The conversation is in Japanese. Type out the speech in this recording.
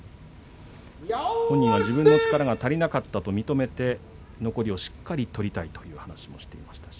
本人は自分の力が足りなかったと認めて残りをしっかり取りたいと話しています。